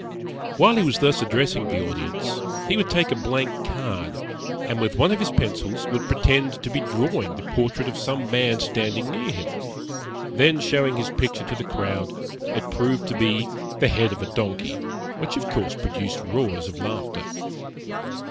While he was thus addressing his audience, he would take a blank card, and with one of his pencils would pretend to be drawing the portrait of some man standing near him; then showing his picture to the crowd, it proved to be the head of a donkey, which, of course, produced roars of laughter.